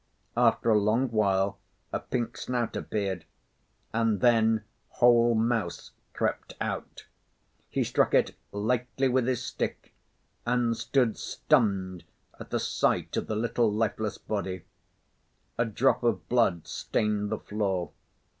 After a long while a pink snout appeared, and then whole mouse crept out. He struck it lightly with his stick and stood stunned at the sight of the little, lifeless body. A drop of blood stained the floor.